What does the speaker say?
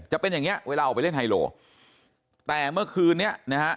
จะเป็นอย่างเงี้เวลาออกไปเล่นไฮโลแต่เมื่อคืนเนี้ยนะฮะ